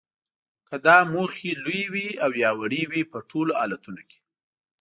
که دا موخې لویې وي او یا وړې وي په ټولو حالتونو کې